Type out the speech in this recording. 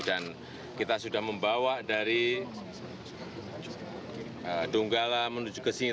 dan kita sudah membawa dari donggala menuju ke sini